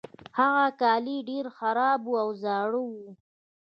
د هغه کالي ډیر خراب او زاړه وو.